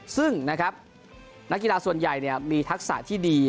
ซึ่งนะครับนักกีฬาส่วนใหญ่มีทักษะที่ดี